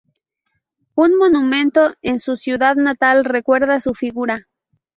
Un monumento en su ciudad natal recuerda su figura.